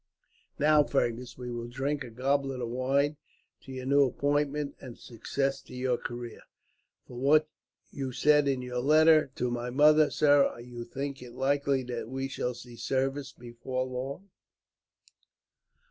"Now, Fergus, we will drink a goblet of wine to your new appointment, and success to your career." "From what you said in your letter to my mother, sir, you think it likely that we shall see service, before long?"